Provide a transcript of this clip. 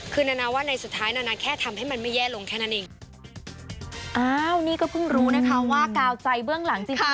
คือนานาว่าในสุดท้ายนานาแค่ทำให้มันไม่แย่ลงแค่นั้นเอง